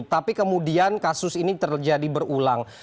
tapi kemudian kasus ini terjadi berulang